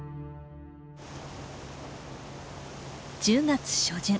１０月初旬。